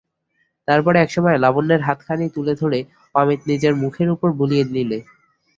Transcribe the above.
তার পরে এক সময়ে লাবণ্যর হাতখানি তুলে ধরে অমিত নিজের মুখের উপর বুলিয়ে নিলে।